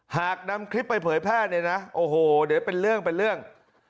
หากนำคลิปไปเผยแพร่เนี่ยนะโอ้โหเดี๋ยวเป็นเรื่องเป็นเรื่อง